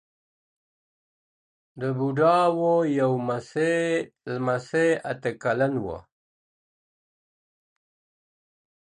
د بوډا وو یو لمسی اته کلن وو.